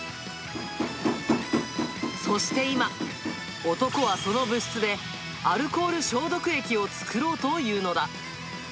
そして今、男はその物質で、アルコール消毒液を作ろうというのだ。